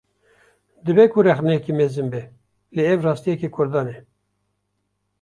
Dibe ku rexneyeke mezin be, lê ev rastiyeke Kurdan e